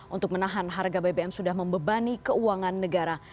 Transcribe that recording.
untuk menahan harga bbm sudah membebani keuangan negara